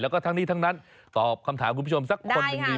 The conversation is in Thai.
แล้วก็ทั้งนี้ทั้งนั้นตอบคำถามคุณผู้ชมสักคนหนึ่งดี